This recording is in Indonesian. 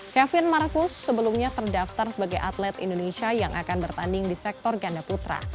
kevin marcus sebelumnya terdaftar sebagai atlet indonesia yang akan bertanding di sektor ganda putra